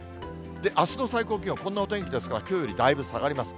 あすの最高気温、こんなお天気ですから、きょうよりだいぶ下がります。